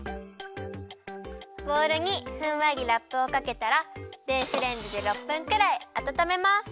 ボウルにふんわりラップをかけたら電子レンジで６分くらいあたためます。